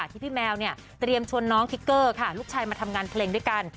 ที่พี่แมวเนี่ยเตรียมชวนน้องทิกเกอร์ค่ะลูกชายมาทำงานเพลงด้วยกัน